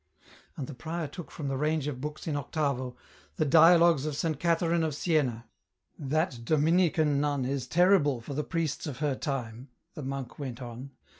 And the prior took from the range of books in octavo, " The Dialogues of Saint Catherine of Siena." " That Dominican nun is terrible for the priests of her time," the monk went on.